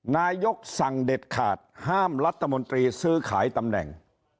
นายกสั่งเด็ดขาดห้ามรัฐมนตรีซื้อขายตำแหน่ง